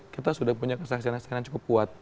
kita sudah punya kesalahan kesalahan yang cukup kuat